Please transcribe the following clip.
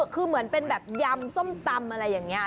คือเหมือนเป็นแบบยำส้มตำอะไรอย่างนี้